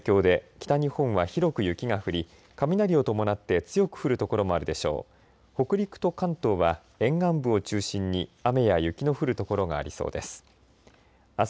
北陸と関東は沿岸部を中心に雨や雪の降る所がありそうです。